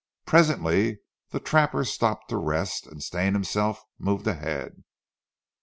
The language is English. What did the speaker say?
Presently the trapper stopped to rest, and Stane himself moved ahead.